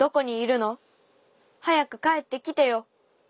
はやくかえってきてよ！